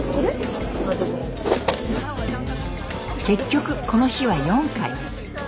結局この日は４回。